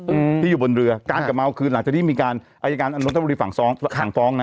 อืมที่อยู่บนเรือการกลับมาเอาคืนหลังจากที่มีการอายการนทบุรีสั่งฟ้องสั่งฟ้องนะ